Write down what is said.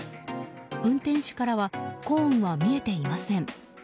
運転手からはコーンは見えていません。